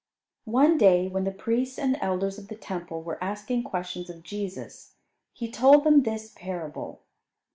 One day when the priests and elders of the Temple were asking questions of Jesus, He told them this parable.